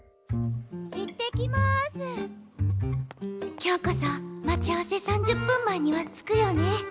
今日こそ待ち合わせ３０分前には着くよね。